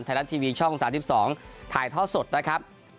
ไทยรัฐทีวีช่อง๓๒ถ่ายท่อสดนะครับ